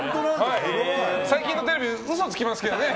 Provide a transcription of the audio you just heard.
最近のテレビは嘘つきますけどね。